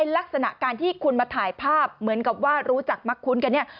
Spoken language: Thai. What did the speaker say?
ลักษณะการที่คุณมาถ่ายภาพเหมือนกับว่ารู้จักมักคุ้นกันเนี่ย